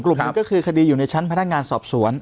กลุ่มหนึ่งก็คือคดีอยู่ในชั้นพนักงานสอบสวน